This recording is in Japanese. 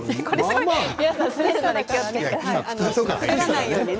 皆さん動くのに気をつけてくださいね。